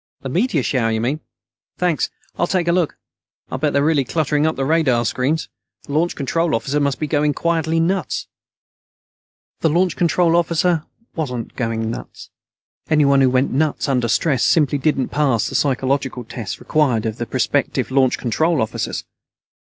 "The meteor shower, you mean? Thanks. I'll take a look. I'll bet they're really cluttering up the radar screens. The Launch Control Officer must be going quietly nuts." The Launch Control Officer wasn't going nuts. Anyone who went nuts under stress simply didn't pass the psychological tests required of prospective Launch Control Officers.